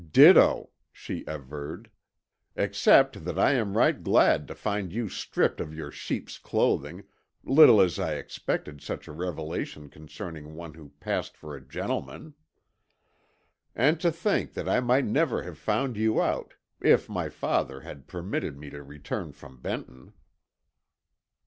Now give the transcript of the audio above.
"Ditto," she averred, "except that I am right glad to find you stripped of your sheep's clothing, little as I expected such a revelation concerning one who passed for a gentleman. And to think that I might never have found you out, if my father had permitted me to return from Benton."